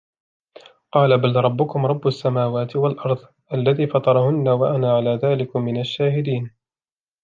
قَالَ بَلْ رَبُّكُمْ رَبُّ السَّمَاوَاتِ وَالْأَرْضِ الَّذِي فَطَرَهُنَّ وَأَنَا عَلَى ذَلِكُمْ مِنَ الشَّاهِدِينَ